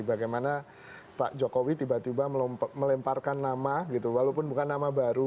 bagaimana pak jokowi tiba tiba melemparkan nama gitu walaupun bukan nama baru